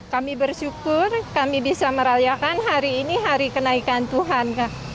kami bersyukur kami bisa merayakan hari ini hari kenaikan tuhan